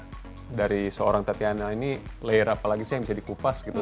nah dari seorang tetiana ini layer apa lagi sih yang bisa dikupas gitu